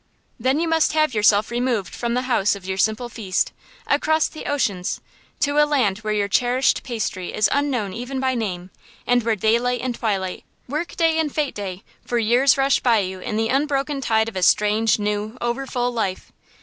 Then you must have yourself removed from the house of your simple feast, across the oceans, to a land where your cherished pastry is unknown even by name; and where daylight and twilight, work day and fête day, for years rush by you in the unbroken tide of a strange, new, overfull life.